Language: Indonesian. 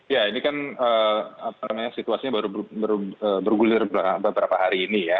ya ini kan situasinya baru bergulir beberapa hari ini ya